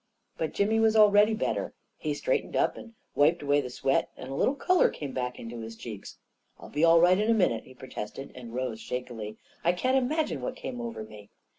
But Jimmy was already better. He straight ened up and wiped away the sweat, and a little color came back into his cheeks. " I'll be all right in a minute," he protested, and rose shakily. " I can't imagine what came over me!"